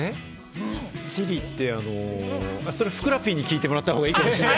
Ｃｈｉｌｌｉって、それ、ふくらＰに聞いてもらった方がいいかもしれない。